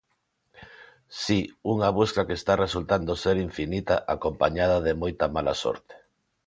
Si, unha busca que está resultando ser infinita acompañada de moita mala sorte.